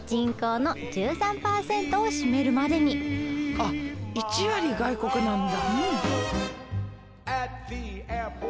あ１割外国なんだ。